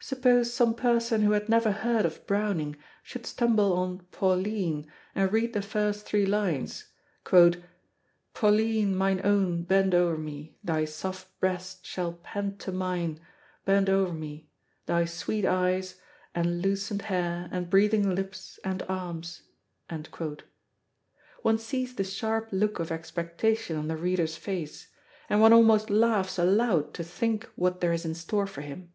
Suppose some person who had never heard of Browning should stumble on Pauline, and read the first three lines: "Pauline, mine own, bend o'er me thy soft breast Shall pant to mine bend o'er me thy sweet eyes, And loosened hair and breathing lips, and arms" one sees the sharp look of expectation on the reader's face, and one almost laughs aloud to think what there is in store for him.